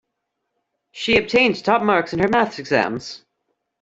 She obtained top marks in her maths exams.